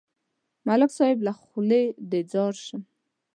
ملک صاحب، له خولې دې ځار شم.